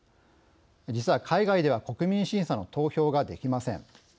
実は、海外では国民審査の投票ができません。